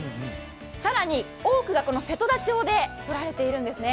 更に多くがこの瀬戸田町でとられているんですね。